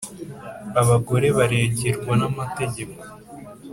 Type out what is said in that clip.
abagore barengerwa n’amategeko.